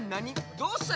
どうしたい。